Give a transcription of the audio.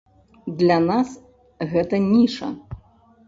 Для нас гэта ніша.